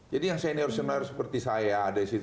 jadi yang senior senior seperti saya ada disitu